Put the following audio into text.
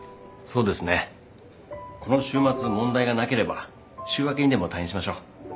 そうですねこの週末問題がなければ週明けにでも退院しましょう。